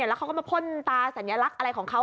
แล้วเขาก็มาพ่นตาสัญลักษณ์อะไรของเขา